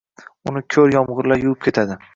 Uni ko’r yomg’irlar yuvib ketadi…